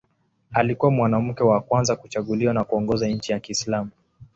Alikuwa mwanamke wa kwanza kuchaguliwa na kuongoza nchi ya Kiislamu.